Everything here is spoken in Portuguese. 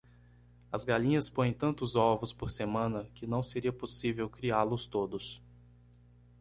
As galinhas põem tantos ovos por semana? que não seria possível criá-los todos.